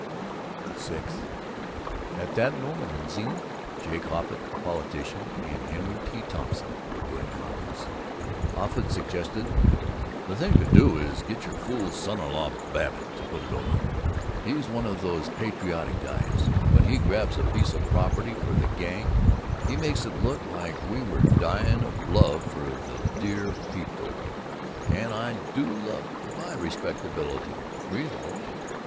VI At that moment in Zenith, Jake Offutt, the politician, and Henry T. Thompson were in conference. Offutt suggested, "The thing to do is to get your fool son in law, Babbitt, to put it over. He's one of these patriotic guys. When he grabs a piece of property for the gang, he makes it look like we were dyin' of love for the dear peepul, and I do love to buy respectability reasonable.